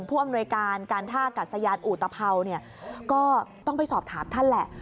ผู้อำนวยการการท่ากัดสยานอุตภัวเนี่ยก็ต้องไปสอบถามท่านแหละ